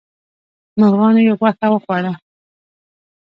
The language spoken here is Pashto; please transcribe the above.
مرغانو یې غوښه وخوړه.